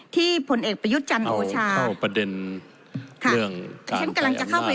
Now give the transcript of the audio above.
ที่ผลเอกประยุทธ์จันทร์โอชาเอาเข้าประเด็นเรื่องค่ะ